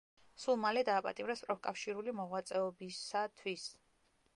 სულ მალე დააპატიმრეს პროფკავშირული მოღვაწეობისათვის.